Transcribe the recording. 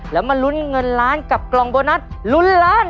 แล้วมาลุ้นเงินล้านกับกล่องโบนัสลุ้นล้าน